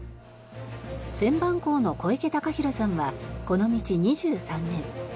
旋盤工の小池孝広さんはこの道２３年。